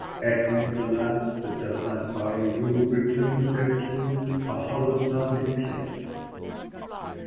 Echo, alas! that doth my sorrow rue, Returns thereto a hollow sound of plaint.